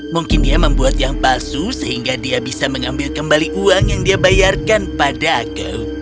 mungkin dia membuat yang palsu sehingga dia bisa mengambil kembali uang yang dia bayarkan pada aku